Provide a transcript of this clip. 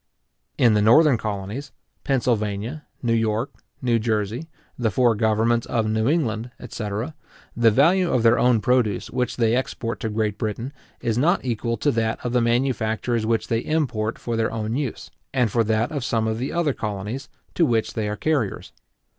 In the northern colonies, Pennsylvania, New York, New Jersey, the four governments of New England, etc. the value of their own produce which they export to Great Britain is not equal to that of the manufactures which they import for their own use, and for that of some of the other colonies, to which they are the carriers.